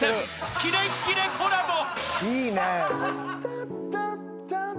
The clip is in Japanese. ［キレキレコラボ］